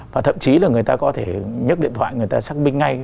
và thậm chí là người ta có thể nhấc điện thoại người ta xác minh ngay